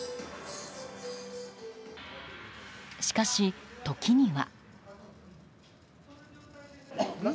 しかし、時には。